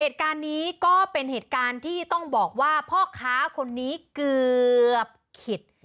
เหตุการณ์นี้ก็เป็นเหตุการณ์ที่ต้องบอกว่าพ่อค้าคนนี้เกือบขิด